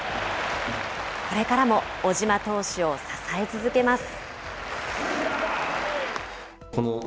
これからも小島投手を支え続けます。